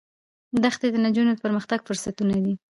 دښتې د نجونو د پرمختګ فرصتونه دي.